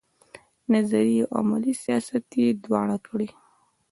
نظري او عملي سیاست یې دواړه کړي.